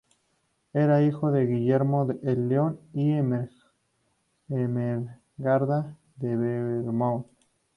Era hijo de Guillermo el León y Ermengarda de Beaumont.